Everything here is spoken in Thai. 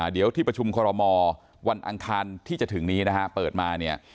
เดี๋ยวที่ประชุมคอรมอวันอังคารที่จะถึงนี้นะฮะเปิดมาเนี่ย